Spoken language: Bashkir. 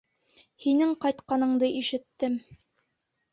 Һинең ҡайтҡаныңды ишеттем.